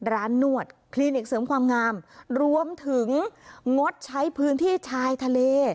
นวดคลินิกเสริมความงามรวมถึงงดใช้พื้นที่ชายทะเล